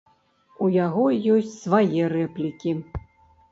У яго ёсць свае рэплікі.